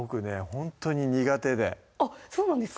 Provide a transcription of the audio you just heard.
ほんとに苦手であっそうなんですか